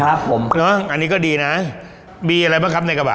อันนี้ก็ดีนะมีอะไรบ้างครับในกระบะ